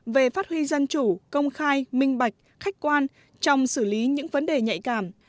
về phát huy dân chủ công khai minh bạch khách quan trong xử lý những vấn đề nhạy cảm